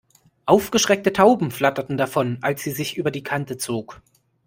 Aufgeschreckte Tauben flatterten davon, als sie sich über die Kante zog.